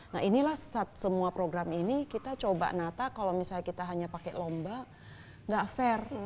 nah inilah saat semua program ini kita coba nata kalau misalnya kita hanya pakai lomba tidak fair